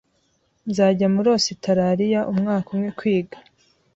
nzajya muri Ositaraliya umwaka umwe kwiga